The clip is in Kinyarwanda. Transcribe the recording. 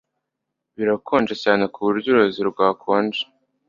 Birakonje cyane kuburyo uruzi rwakonje